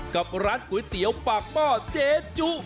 กับร้านก๋วยเตี๋ยวปากหม้อเจจุ